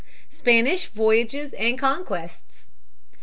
Spanish Voyages and Conquests.